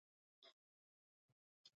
بورا هم پر ګلو کېني.